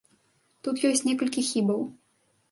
Тут ёсць некалькі хібаў.